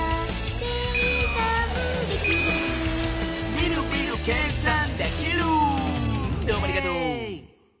「みるみる計算できる」どうもありがとう。